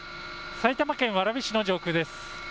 埼玉県蕨市の上空です。